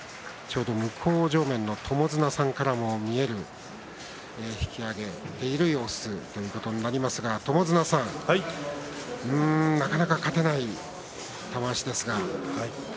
向正面の友綱さんからも見える引き揚げている様子ということになりましたが友綱さんなかなか勝てない玉鷲ですが。